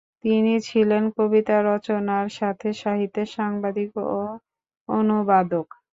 তিনি ছিলেন কবিতা রচনার সাথে সাহিত্য-সাংবাদিক ও অনুবাদক।